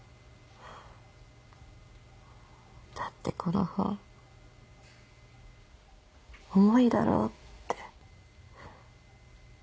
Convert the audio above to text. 「だってこの本重いだろ」って。